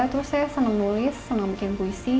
terus saya seneng nulis senang bikin puisi